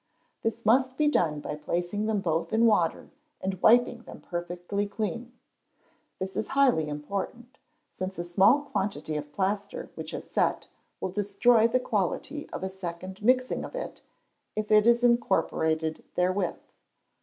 This must be done by placing them both in water and wiping them perfectly clean. This is highly important, since a small quantity of plaster which has set will destroy the quality of a second mixing if it is incorporated therewith.